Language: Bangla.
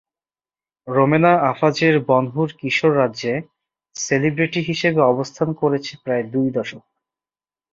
রোমেনা আফাজের বনহুর কিশোর রাজ্যে সেলিব্রেটি হিসেবে অবস্থান করেছে প্রায় দুই দশক।